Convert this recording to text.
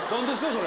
それ！